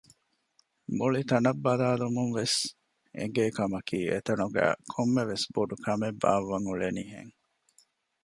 މުޅި ތަނަށް ބަލާލަުމުންވެސް އެނގޭ ކަމަކީ އެތަނުގައި ކޮންމެވެސް ބޮޑުކަމެއް ބާއްވަން އުޅެނީ ހެން